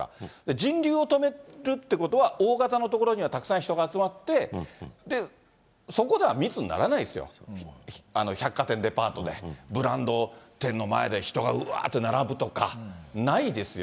人流を止めるっていうことは、大型のところにはたくさん人が集まって、そこでは密にならないですよ、百貨店、デパートで、ブランド店の前で人がうわーって並ぶとか、ないですよ。